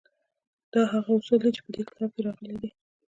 دا هغه اصول دي چې په دې کتاب کې راغلي دي